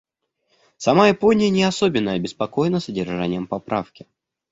Сама Япония не особенно обеспокоена содержанием поправки.